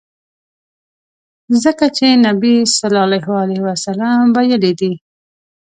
ځکه چي نبي ص ویلي دي.